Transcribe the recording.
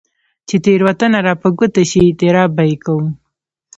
چې تېروتنه راپه ګوته شي، اعتراف به يې کوم.